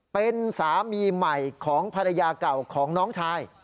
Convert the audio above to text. เป็นสามีใหม่ของภรรยาเก่าของน้องชาย